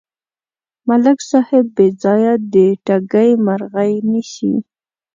ملک صاحب بېځایه د ټګۍ مرغۍ نیسي.